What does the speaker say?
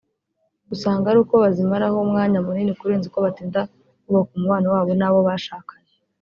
usanga ari uko bazimaraho umwanya munini kurenza uko batinda bubaka umubano wabo n’abo bashakanye